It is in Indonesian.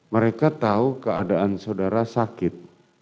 mereka tahu keadaan saudara sakit